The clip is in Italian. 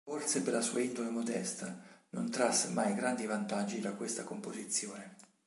Forse per la sua indole modesta, non trasse mai grandi vantaggi da questa composizione.